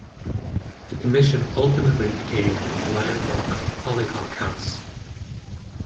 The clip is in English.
This commission ultimately became the landmark Hollyhock House.